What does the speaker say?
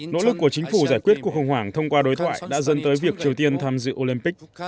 nỗ lực của chính phủ giải quyết cuộc khủng hoảng thông qua đối thoại đã dẫn tới việc triều tiên tham dự olympic